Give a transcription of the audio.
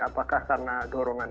apakah karena dorongan